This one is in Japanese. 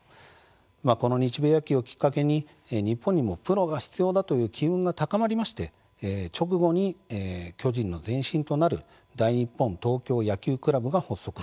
この日米野球をきっかけに日本でもプロが必要だという機運が高まり直後に、巨人の前身となる大日本東京野球倶楽部が発足。